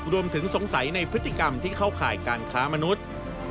สงสัยในพฤติกรรมที่เข้าข่ายการค้ามนุษย์